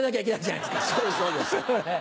そうですそうです。